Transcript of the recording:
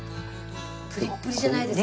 プリップリじゃないですか？